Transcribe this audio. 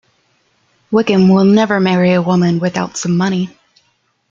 Wickham will never marry a woman without some money.